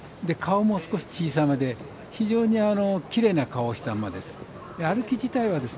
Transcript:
少し小さめで非常にきれいな顔をした馬です。